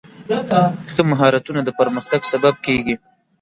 ښه مهارتونه د پرمختګ سبب کېږي.